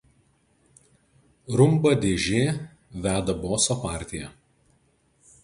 Rumba dėžė veda boso partiją.